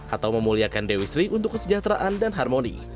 atau memuliakan dewi sri untuk kesejahteraan dan harmoni